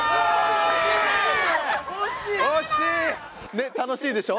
ねっ楽しいでしょ？